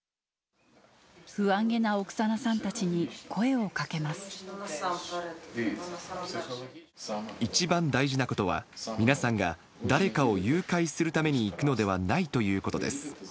不安げなオクサナさんたちに一番大事なことは、皆さんが誰かを誘拐するために行くのではないということです。